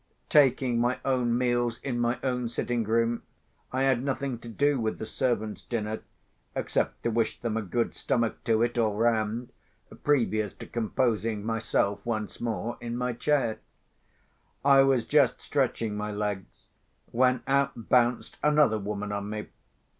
Taking my own meals in my own sitting room, I had nothing to do with the servants' dinner, except to wish them a good stomach to it all round, previous to composing myself once more in my chair. I was just stretching my legs, when out bounced another woman on me.